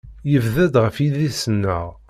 Yebded ɣer yidis-nneɣ.